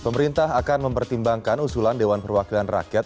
pemerintah akan mempertimbangkan usulan dewan perwakilan rakyat